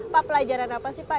pak pelajaran apa sih pak